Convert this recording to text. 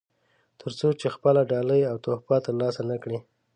تر څو چې خپله ډالۍ او تحفه ترلاسه نه کړي.